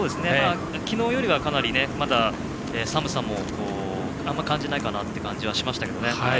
昨日よりはまだ寒さもあまり感じないかなという気はしましたね。